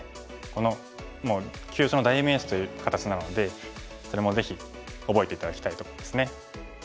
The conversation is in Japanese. この急所の代名詞という形なのでそれもぜひ覚えて頂きたいと思いますね。